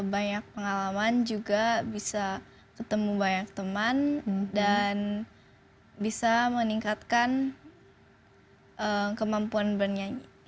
banyak pengalaman juga bisa ketemu banyak teman dan bisa meningkatkan kemampuan bernyanyi